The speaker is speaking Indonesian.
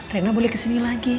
reina boleh kesini lagi